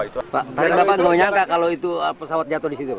tapi bapak dengar nggak kalau itu pesawat jatuh di situ